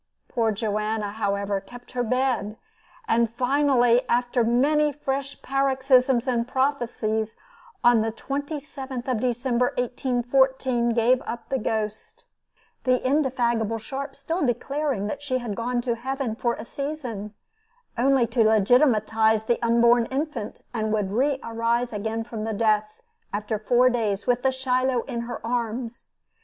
Poor Joanna, however, kept her bed, and finally, after many fresh paroxysms and prophecies, on the 27th of December, 1814, gave up the ghost the indefatigable Sharp still declaring that she had gone to heaven for a season, only to legitimatize the unborn infant, and would re arise again from death, after four days, with the Shiloh in her arms.